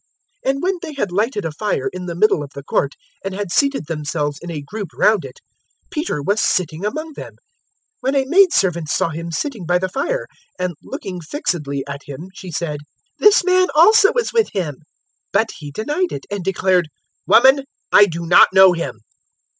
022:055 And when they had lighted a fire in the middle of the court and had seated themselves in a group round it, Peter was sitting among them, 022:056 when a maidservant saw him sitting by the fire, and, looking fixedly at him, she said, "This man also was with him." 022:057 But he denied it, and declared, "Woman, I do not know him."